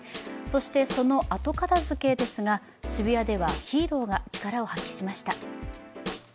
そして、その後片づけですが、渋谷ではヒーローが力を発揮しました。